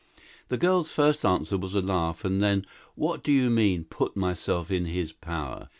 The girl's first answer was a laugh, and then, "What do you mean, 'put myself in his power'?"